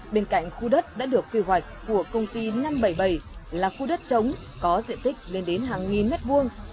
bên cạnh khu đất đã được quy hoạch của công ty năm trăm bảy mươi bảy là khu đất chống có diện tích lên đến hàng nghìn mét vuông